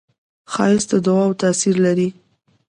ښایست د دعاوو تاثیر لري